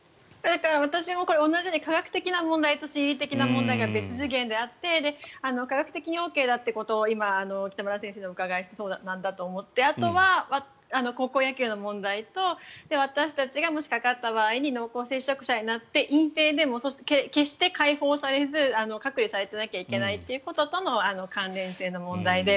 私も同じように科学的な問題と心理的な問題が別次元であって科学的にＯＫだということを今、北村先生にお伺いしてそうなんだと思ってあとは高校野球の問題と私たちが、もしかかった場合に濃厚接触者になって陰性でも決して解放されず隔離されていなきゃいけないということとの関連という問題で。